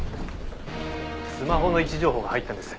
スマホの位置情報が入ったんです。